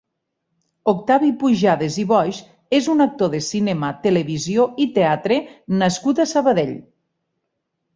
Octavi Pujades i Boix és un actor de cinema, televisió i teatre nascut a Sabadell.